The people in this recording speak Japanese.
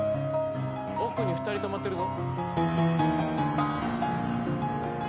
奥に２人止まってるぞ。